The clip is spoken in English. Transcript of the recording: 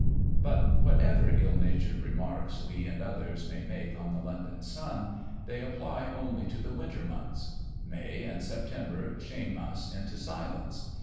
But whatever ill natured remarks we and others may make on the London sun, they apply only to the winter months. May and September shame us into silence.